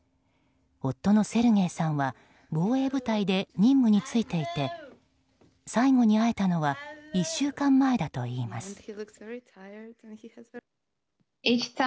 夫のセルゲイさんは防衛部隊で任務に就いていて最後に会えたのは１週間前だといいます。